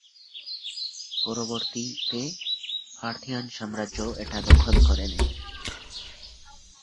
পরবর্তীতে পার্থিয়ান সাম্রাজ্য এটা দখল করে নেয়।